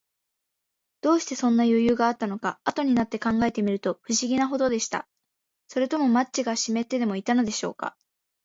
どうして、そんなよゆうがあったのか、あとになって考えてみると、ふしぎなほどでした。それともマッチがしめってでもいたのでしょうか。